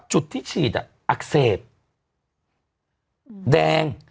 จุดที่ฉีดอักเสบแดง